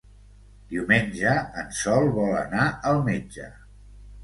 Diumenge en Sol vol anar al metge.